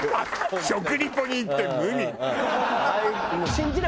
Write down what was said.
食リポに行って「無味」。